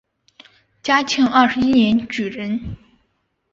嘉庆二十一年举人。